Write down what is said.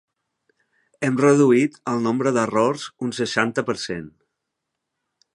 Hem reduït el nombre d'errors un seixanta per cent.